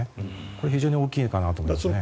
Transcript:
これは非常に大きいかなと思いますね。